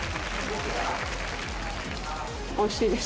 おいしいです。